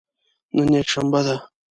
نن یکشنبه ده